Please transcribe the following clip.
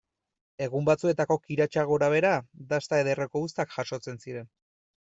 Egun batzuetako kiratsa gorabehera, dasta ederreko uztak jasotzen ziren.